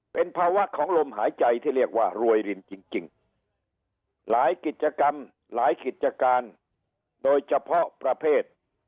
เป็นภาวะของลมหายใจที่เรียกว่ารวยรินจริงหลายกิจกรรมหลายกิจการโดยเฉพาะประเภท